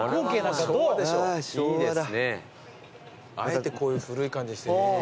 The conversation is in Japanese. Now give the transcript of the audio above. あえてこういう古い感じにしてるのかな。